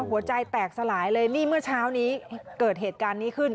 หัวใจแตกสลายเลยนี่เมื่อเช้านี้เกิดเหตุการณ์นี้ขึ้น